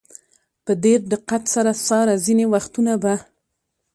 په ډېر دقت سره څاره، ځینې وختونه به.